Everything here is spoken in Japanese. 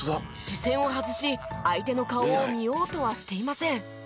視線を外し相手の顔を見ようとはしていません。